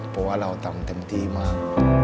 เพราะว่าเราทำเต็มที่มาก